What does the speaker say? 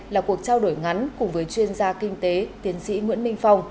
là cuộc trao đổi ngắn cùng với chuyên gia kinh tế tiến sĩ nguyễn minh phong